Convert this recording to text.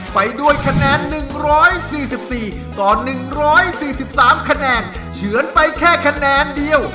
ไปด้วยคะแนน๑๔๔ต่อ๑๔๓คะแนนเฉือนไปแค่คะแนนเดียว